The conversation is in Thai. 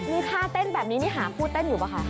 นี่ท่าเต้นแบบนี้นี่หาคู่เต้นอยู่ป่ะคะ